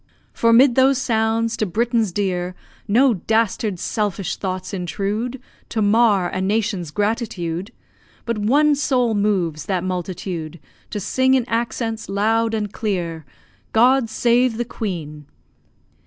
For 'mid those sounds, to Britons dear, No dastard selfish thoughts intrude To mar a nation's gratitude: But one soul moves that multitude To sing in accents loud and clear God save the Queen!